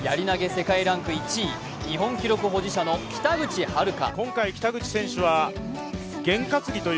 世界ランク１位日本記録保持者の北口榛花。